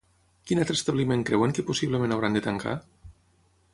Quin altre establiment creuen que possiblement hauran de tancar?